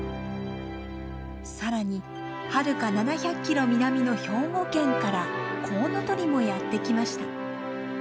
更にはるか７００キロ南の兵庫県からコウノトリもやって来ました。